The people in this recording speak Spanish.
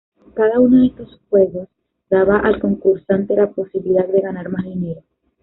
Cada uno de estos juegos daba al concursante la posibilidad de ganar más dinero.